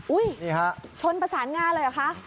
นี่ฮะชนประสานงานเลยเหรอคะ